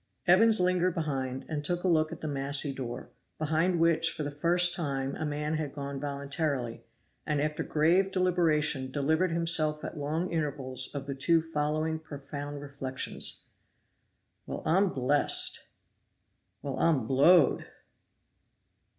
Evans lingered behind, and took a look at the massy door, behind which for the first time a man had gone voluntarily, and after grave deliberation delivered himself at long intervals of the two following profound reflections: "Well! I'm blest!!" "Well! I'm blowed!!"